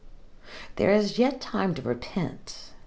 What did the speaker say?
"There is yet time to repent.